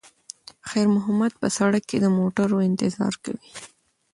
خیر محمد په سړک کې د موټرو انتظار کوي.